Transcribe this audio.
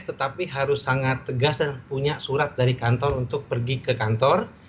tetapi harus sangat tegas dan punya surat dari kantor untuk pergi ke kantor